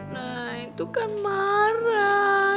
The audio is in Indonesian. nah itu kan marah